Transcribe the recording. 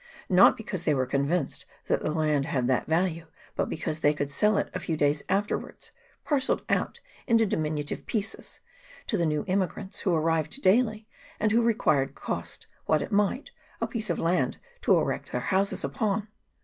Not because they were convinced that the land had that value, but because they could sell it a few days after wards, parcelled out into diminutive pieces, to the new emigrants, who daily arrived, and who required, cost what it might, a piece of land to erect their houses upon.